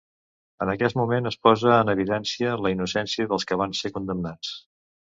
En aquest moment es posa en evidència la innocència dels que van ser condemnats.